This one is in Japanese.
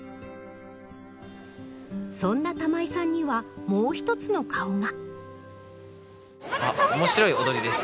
そんな玉井さんにはもう一つの顔が。